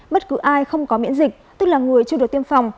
bất cứ ai không có miễn dịch tức là người chưa được tiêm phòng